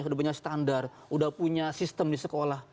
sudah punya standar udah punya sistem di sekolah